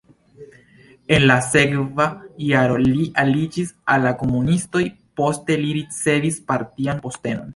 En la sekva jaro li aliĝis al la komunistoj, poste li ricevis partian postenon.